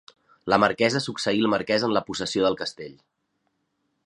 La marquesa succeí el marquès en la possessió del castell.